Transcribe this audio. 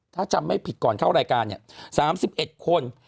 ถ้าจำไม่ผิดก่อนเข้ารายการเนี่ย๓๑คน